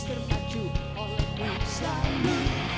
yang datang di sini